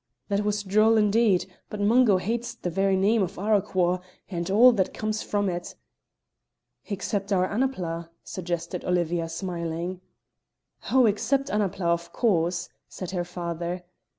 "That was droll, indeed; but Mungo hates the very name of Arroquhar, and all that comes from it." "Except our Annapla," suggested Olivia, smiling. "Oh, except Annapla, of course!" said her father.